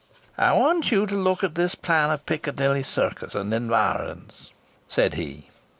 "I want you to look at this plan of Piccadilly Circus and environs," said he.